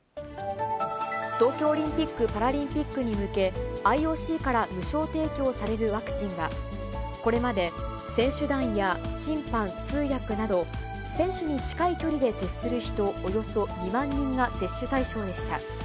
東京オリンピック・パラリンピックに向け、ＩＯＣから無償提供されるワクチンは、これまで選手団や審判、通訳など、選手に近い距離で接する人およそ２万人が接種対象でした。